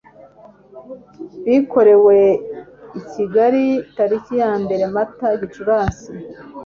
bikorewe i kigali tariki ya mbere mata gicuransi